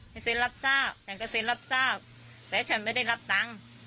เซ็นรับทราบฉันก็เซ็นรับทราบแต่ฉันไม่ได้รับตังค์